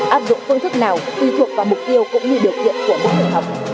áp dụng phương thức nào tùy thuộc vào mục tiêu cũng như điều kiện của mức học